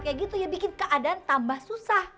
kayak gitu ya bikin keadaan tambah susah